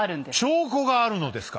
証拠があるのですか！